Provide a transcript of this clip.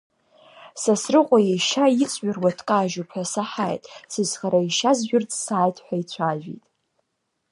Сасрыҟәа ишьа иҵҩыруа дкажьуп ҳәа саҳаит, сызхара ишьа зжәырц сааит ҳәа ицәажәеит.